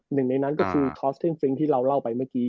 หนึ่งในนั้นก็คือทอสเทนฟริ้งที่เราเล่าไปเมื่อกี้